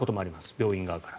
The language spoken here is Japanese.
病院側から。